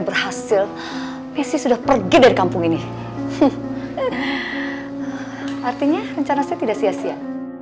berhasil messi sudah pergi dari kampung ini artinya rencana saya tidak sia sia